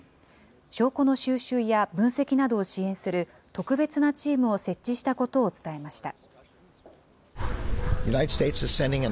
証拠の収集や分析などを支援する特別なチームを設置したことを伝えました。